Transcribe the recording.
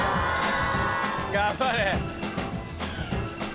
頑張れ。